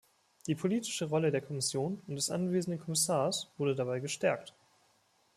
Die politische Rolle der Kommission und des anwesenden Kommissars wurde dabei gestärkt.